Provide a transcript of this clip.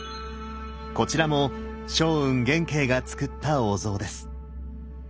こちらも松雲元慶がつくったお像です。